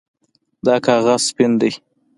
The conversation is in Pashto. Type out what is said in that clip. دا کاغذ سپین ده